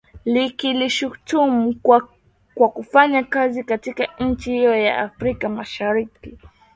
likilishutumu kwa kufanya kazi katika nchi hiyo ya Afrika Mashariki